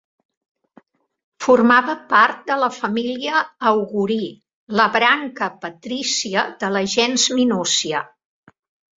Formava part de la família Augurí, la branca patrícia de la gens Minúcia.